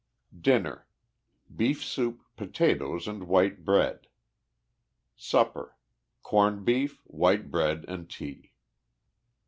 Dinner. — Beef soup, potatoes and white bread. Supper. — Corned beef, white bread and tea.